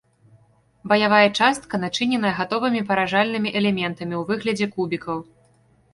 Баявая частка начыненая гатовымі паражальнымі элементамі ў выглядзе кубікаў.